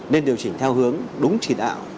nên điều chỉnh theo hướng đúng trình ảo